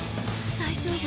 ⁉大丈夫。